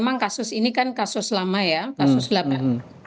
memang kasus ini kan kasus lama ya kasus delapan